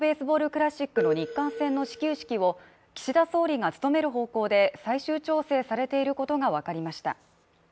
クラシックの日韓戦の始球式を岸田総理が務める方向で最終調整されていることがわかりました。